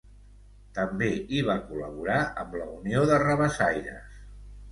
També hi va col·laborar amb la Unió de Rabassaires.